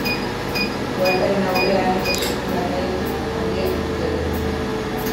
Uhartearen aurrean itsasontzi baten argiak ikus daitezke.